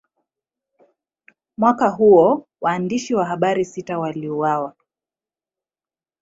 Mwaka huo, waandishi wa habari sita waliuawa.